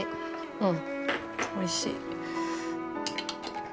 うんおいしい。